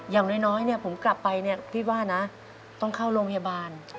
อย่างน้อยเนี่ยผมกลับไปเนี่ยพี่ว่านะต้องเข้าโรงพยาบาล